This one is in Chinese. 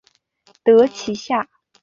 得其下